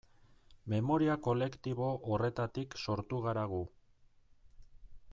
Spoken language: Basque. Memoria kolektibo horretatik sortu gara gu.